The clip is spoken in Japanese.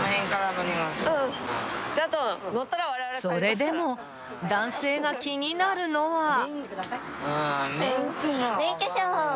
［それでも男性が気になるのは］